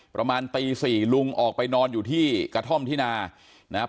ประมาณตีสี่ลุงออกไปนอนอยู่ที่กระท่อมที่นานะครับ